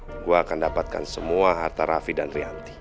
aku akan dapatkan semua harta rafi dan rianti